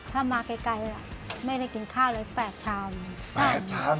ถ้ามาไกลไม่ได้กินข้าวเลย๘ชาม